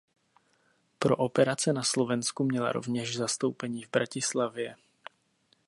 Pro operace na Slovensku měla rovněž zastoupení v Bratislavě.